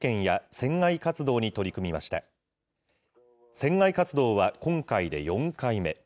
船外活動は今回で４回目。